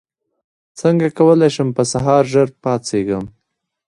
څنګه کولی شم په سهار ژر پاڅېږم